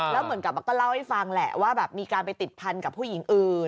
แล้วเหมือนกับก็เล่าให้ฟังแหละว่าแบบมีการไปติดพันกับผู้หญิงอื่น